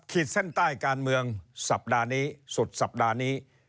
เส้นใต้การเมืองสัปดาห์นี้สุดสัปดาห์นี้